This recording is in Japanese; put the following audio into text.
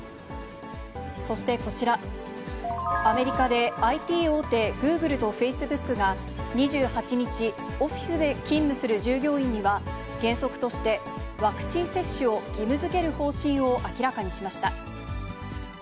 そしてこちら、アメリカでＩＴ大手、グーグルとフェイスブックが２８日、オフィスで勤務する従業員には、原則としてワクチン接種を義務づける方針を明らかにしました。